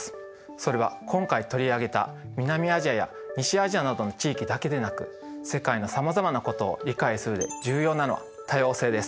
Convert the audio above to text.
それは今回取り上げた南アジアや西アジアなどの地域だけでなく世界のさまざまなことを理解する上で重要なのは多様性です。